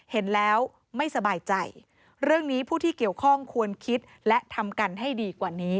เห็นแล้วไม่สบายใจเรื่องนี้ผู้ที่เกี่ยวข้องควรคิดและทำกันให้ดีกว่านี้